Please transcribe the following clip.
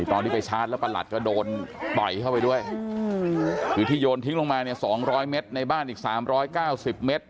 ตอนนี้ไปชาร์จแล้วประหลัดก็โดนต่อยเข้าไปด้วยคือที่โยนทิ้งลงมาเนี่ยสองร้อยเมตรในบ้านอีกสามร้อยเก้าสิบเมตร